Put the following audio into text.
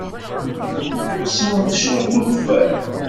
Ad teswemt cwiṭ n ukeffay.